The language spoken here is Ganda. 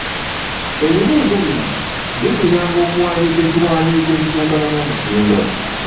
Ebibuuzo bino bi kuyamba okuwandiika ekiwandiiko ekituukana n'omutindo.